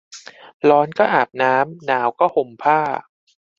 ร้อนก็อาบน้ำ หนาวก็ห่มผ้า